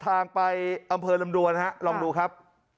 ทางไปอำเภอลำดวนฮะลองดูครับ